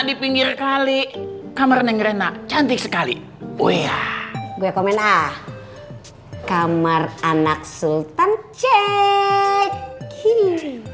di pinggir kali kamar neng grena cantik sekali oh ya gue komen ah kamar anak sultan cek kiri